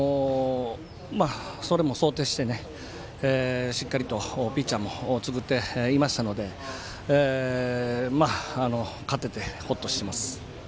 それも想定して、しっかりとピッチャーも作っていましたので勝てて、ほっとしています。